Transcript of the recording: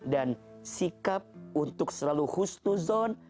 dan sikap untuk selalu khusnuzon